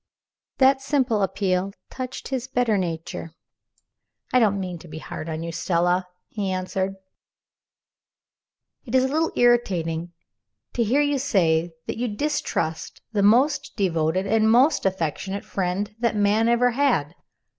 That simple appeal touched his better nature. "I don't mean to be hard on you, Stella," he answered. "It is a little irritating to hear you say that you distrust the most devoted and most affectionate friend that man ever had.